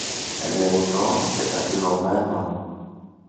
ελεεινό και ταπεινωμένο.